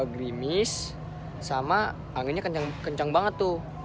grimis sama anginnya kencang banget tuh